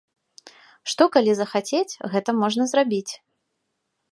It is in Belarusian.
Што калі захацець, гэта можна зрабіць.